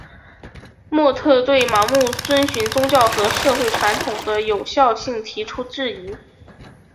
莫特对盲目遵循宗教和社会传统的有效性提出质疑。